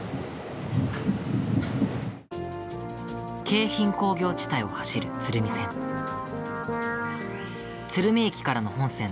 京浜工業地帯を走るＪＲ鶴見線。